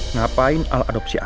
ngapain al adopsi anak